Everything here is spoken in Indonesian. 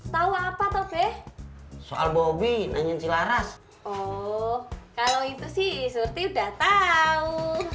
tahu apa toh deh soal bobby nanyain si laras oh kalau itu sih sudah tahu